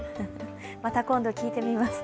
また今度聞いてみます。